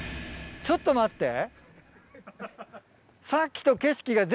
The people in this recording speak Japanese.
ちょっと待ってね。